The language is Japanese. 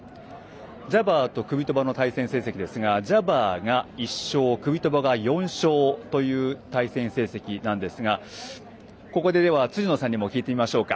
ジャバーとクビトバの対戦成績はジャバーが１勝クビトバが４勝という対戦成績なんですがここで辻野さんにも聞いてみましょうか。